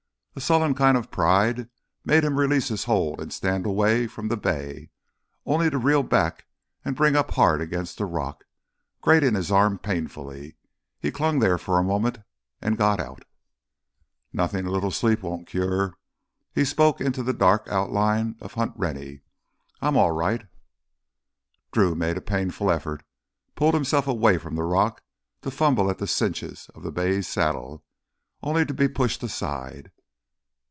A sullen kind of pride made him release his hold and stand away from the bay, only to reel back and bring up hard against a rock, grating his arm painfully. He clung there for a moment and got out: "Nothing a little sleep won't cure." He spoke into the dark outline of Hunt Rennie. "I'm all right." Drew made a painful effort, pulled himself away from the rock to fumble at the cinches of the bay's saddle, only to be pushed aside.